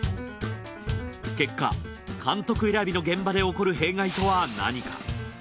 結果監督選びの現場で起こる弊害とは何か？